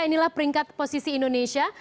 inilah peringkat posisi indonesia